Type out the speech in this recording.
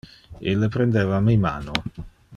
Ille prendeva mi mano.